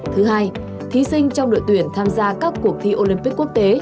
thứ hai thí sinh trong đội tuyển tham gia các cuộc thi olympic quốc tế